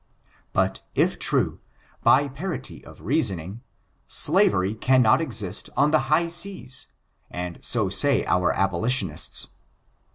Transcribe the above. But, if true, by parity of reasoning, slavery cannot exist on the high seas, and so say our abolitionists.